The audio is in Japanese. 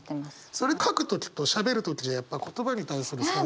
それ書く時としゃべる時じゃやっぱ言葉に対するスタンス。